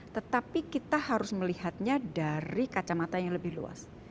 tetapi kita harus melihatnya dari kacamata yang lebih luas